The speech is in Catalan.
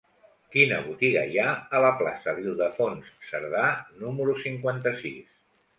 Quina botiga hi ha a la plaça d'Ildefons Cerdà número cinquanta-sis?